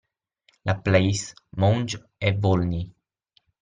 La Place, Mouge e Volney